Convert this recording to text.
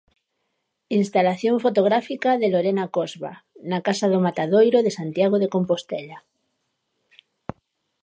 Instalación fotográfica de Lorena Cosba na Casa do Matadoiro de Santiago de Compostela.